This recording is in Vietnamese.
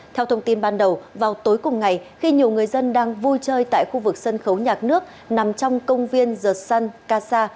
theo thông tin ban đầu vào tối cùng ngày khi nhiều người dân đang vui chơi tại khu vực sân khấu nhạc nước nằm trong công viên the sun casa